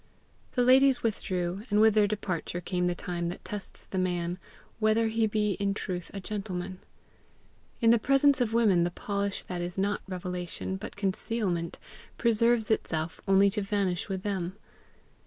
The ladies withdrew, and with their departure came the time that tests the man whether he be in truth a gentleman. In the presence of women the polish that is not revelation but concealment preserves itself only to vanish with them.